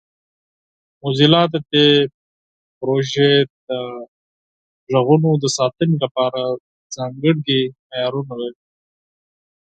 موزیلا د دې پروژې د غږونو د ساتنې لپاره ځانګړي معیارونه لري.